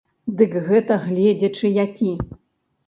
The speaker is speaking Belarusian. Дык гэта гледзячы які.